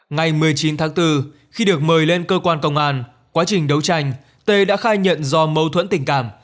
ngày một mươi chín tháng bốn khi được mời lên cơ quan công an quá trình đấu tranh tê đã khai nhận do mâu thuẫn tình cảm